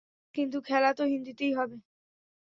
কিন্তু খেলা তো হিন্দিতেই হবে।